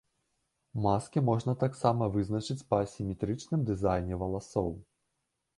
Маскі можна таксама вызначыць па асіметрычным дызайне валасоў.